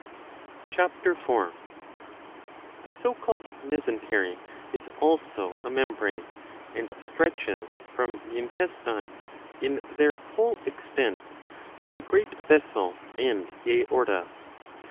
(Ch. 4.) The so called mesentery is also a membrane ; and stretches from the intestines, in their whole extent, to the great vessel and the aorta.